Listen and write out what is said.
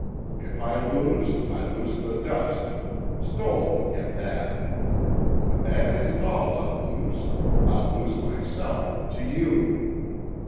If I lose I lose the dust Stoell will get that. But that isn't all I'll lose I'll lose myself to you.